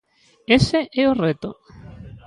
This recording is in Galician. Ese é o reto.